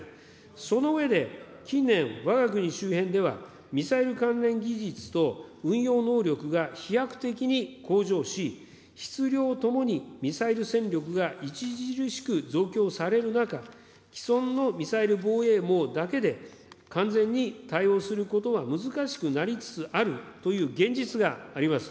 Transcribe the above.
その上で、近年、わが国周辺では、ミサイル関連技術と運用能力が飛躍的に向上し、質量ともにミサイル戦力が著しく増強される中、既存のミサイル防衛網だけで完全に対応することは難しくなりつつあるという現実があります。